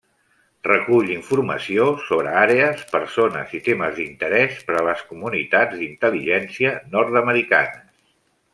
Recull informació sobre àrees, persones i temes d'interès per a les comunitats d'intel·ligència nord-americanes.